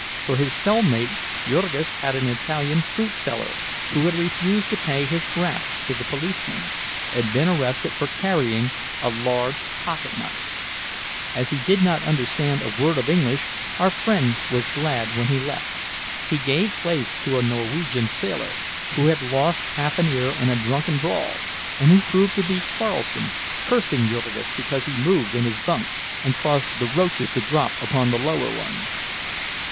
For his cell mate Jurgis had an Italian fruit seller who had refused to pay his graft to the policeman, and been arrested for carrying a large pocketknife; as he did not understand a word of English our friend was glad when he left. He gave place to a Norwegian sailor, who had lost half an ear in a drunken brawl, and who proved to be quarrelsome, cursing Jurgis because he moved in his bunk and caused the roaches to drop upon the lower one.